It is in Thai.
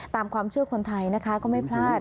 ตามความเชื่อคนไทยนะคะก็ไม่พลาด